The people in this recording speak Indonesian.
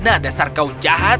kembalikan lana dasar kau jahat